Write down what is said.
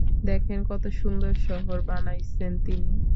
দেখেন কত সুন্দর শহর, বানাইছেন তিনি।